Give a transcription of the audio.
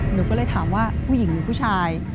หนูก็เลยถามว่าผู้หญิงหรือผู้ชาย